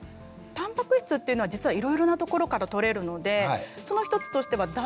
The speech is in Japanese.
たんぱく質っていうのは実はいろいろなところからとれるのでその一つとしては大豆。